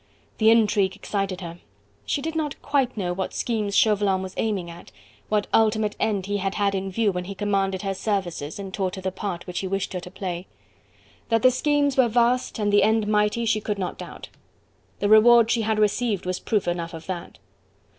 The intrigue excited her. She did not quite know what schemes Chauvelin was aiming at, what ultimate end he had had in view when he commanded her services and taught her the part which he wished her to play. That the schemes were vast and the end mighty, she could not doubt. The reward she had received was proof enough of that.